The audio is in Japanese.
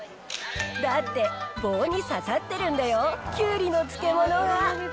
だって、棒に刺さってるんだよ、キュウリの漬物が！